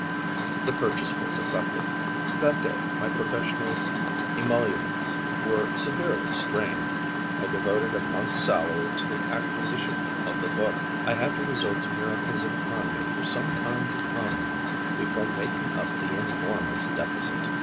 The purchase was effected. That day my professional emoluments were severely strained: I devoted a month's salary to the acquisition of the book. I had to resort to miracles of economy for some time to come before making up the enormous deficit.